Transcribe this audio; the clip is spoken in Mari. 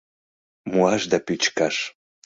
Муаш да пӱчкаш.